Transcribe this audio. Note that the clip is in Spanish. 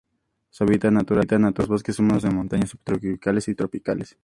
Su hábitat natural son los bosques húmedos de montañas subtropicales y tropicales.